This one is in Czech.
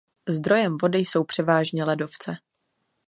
Zdrojem vody jsou převážně ledovce.